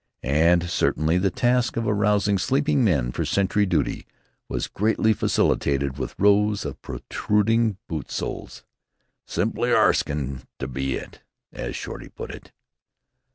And certainly, the task of arousing sleeping men for sentry duty was greatly facilitated with rows of protruding boot soles "simply arskin' to be 'it," as Shorty put it.